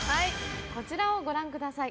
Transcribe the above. こちらをご覧ください。